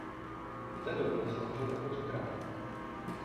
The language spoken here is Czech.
V té době sloužil jako cukrárna.